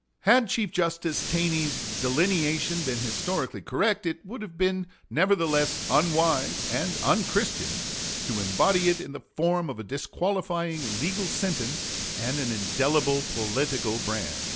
Had Chief Justice Taney's delineation been historically correct, it would have been nevertheless unwise and unchristian to embody it in the form of a disqualifying legal sentence and an indelible political brand.